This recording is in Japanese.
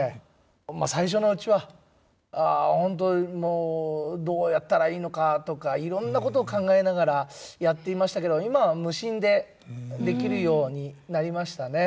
まあ最初のうちはホントもうどうやったらいいのかとかいろんなこと考えながらやっていましたけど今は無心でできるようになりましたね。